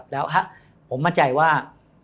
แล้วผมมั่นใจว่า